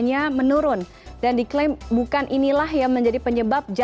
yang dibimbing oleh pak mahfud md